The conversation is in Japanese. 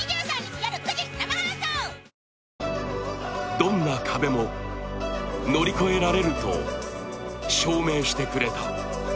どんな壁も乗り越えられると証明してくれた。